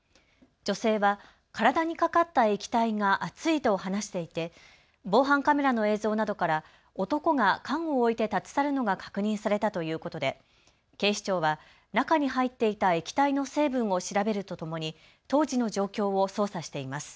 女性は体にかかった液体が熱いと話していて防犯カメラの映像などから男が缶を置いて立ち去るのが確認されたということで警視庁は中に入っていた液体の成分を調べるとともに当時の状況を捜査しています。